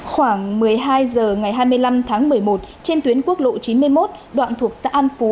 khoảng một mươi hai h ngày hai mươi năm tháng một mươi một trên tuyến quốc lộ chín mươi một đoạn thuộc xã an phú